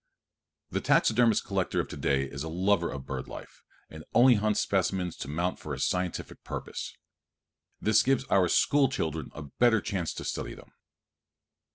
The taxidermist collector of to day is a lover of bird life, and only hunts specimens to mount for a scientific purpose. This gives our school children a better chance to study them.